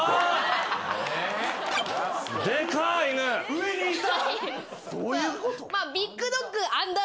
・上にいた！